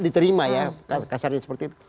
diterima ya kasarnya seperti itu